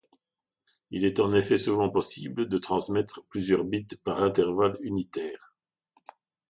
Il est en effet souvent possible de transmettre plusieurs bits par intervalle unitaire.